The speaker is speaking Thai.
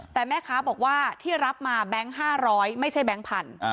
แต่แม่ค้าบอกว่าที่รับมาแบงค์๕๐๐ไม่ใช่แบงค์พัน